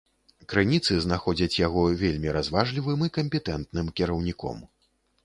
Крыніцы знаходзяць яго вельмі разважлівым і кампетэнтным кіраўніком.